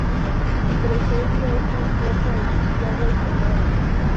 Su presencia es incierta en Chihuahua y Sonora.